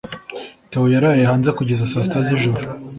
Theo yaraye hanze kugeza saa sita z'ijoro.